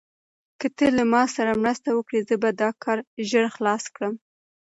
که ته له ما سره مرسته وکړې، زه به دا کار ژر خلاص کړم.